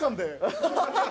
ハハハハ！